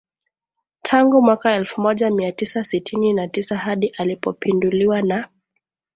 tangu mwaka elfu moja Mia tisa sitini na Tisa hadi alipopinduliwa na